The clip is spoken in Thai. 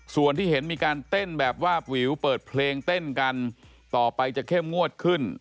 ส่วนที่เห็นมีการเต้นแบบวาบวิวเปิดเพลงเต้นกันต่อไปจะเข้มงวดขึ้น